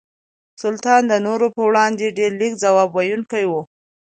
سلطان د نورو په وړاندې ډېر لږ ځواب ویونکي وو.